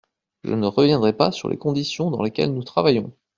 Je ne reviendrai pas sur les conditions dans lesquelles nous travaillons.